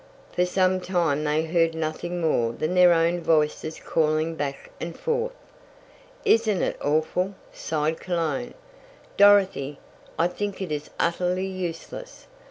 For some time they heard nothing more than their own voices calling back and forth. "Isn't it awful?" sighed Cologne. "Dorothy, I think it is utterly useless.